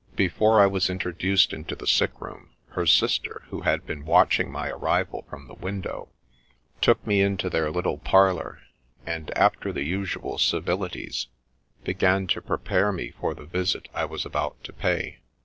' Before I was introduced into the sick room, her sister, who had been watching my arrival from the window, took me into their little parlour, and, after the usual civilities, began to prepare me for the visit I was about to pay.